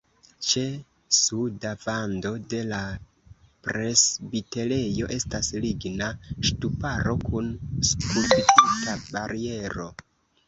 Ĉe suda vando de la presbiterejo estas ligna ŝtuparo kun skulptita bariero.